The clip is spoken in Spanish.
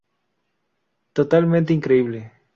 Totalmente increíble".